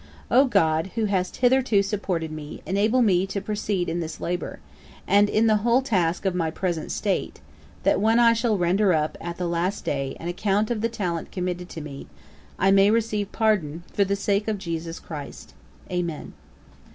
'O GOD, who hast hitherto supported me, enable me to proceed in this labour, and in the whole task of my present state; that when I shall render up, at the last day, an account of the talent committed to me, I may receive pardon, for the sake of JESUS CHRIST. Amen.'